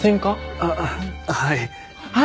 ああはい。